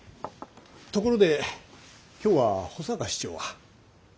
ところで今日は保坂市長は？